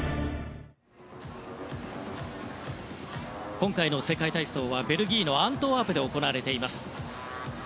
今回の世界体操はベルギーのアントワープで行われています。